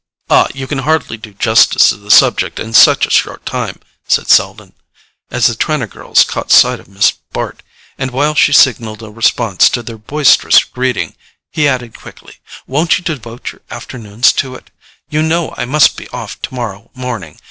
"Ah, you can hardly do justice to the subject in such a short time," said Selden, as the Trenor girls caught sight of Miss Bart; and while she signalled a response to their boisterous greeting, he added quickly: "Won't you devote your afternoon to it? You know I must be off tomorrow morning.